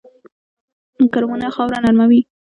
کرمونه خاوره نرموي